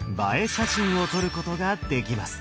写真を撮ることができます。